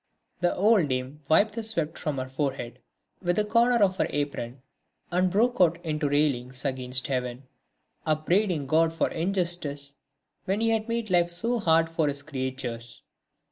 The old dame wiped the sweat from her forehead with a corner of her apron and broke out into railings against heaven, upbraiding God for injustice when he made life so hard for his creatures.